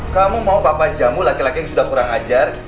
kamu mau papan jamu laki laki yang sudah kurang ajar